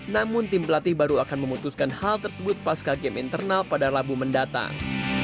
namun tim pelatih baru akan memutuskan hal tersebut pasca game internal pada rabu mendatang